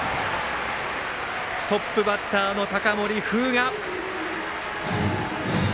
トップバッターの高森風我。